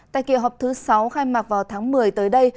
tại kỳ họp thứ sáu khai mạc vào tháng một mươi tới đây